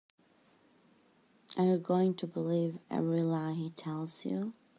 Are you going to believe every lie he tells you?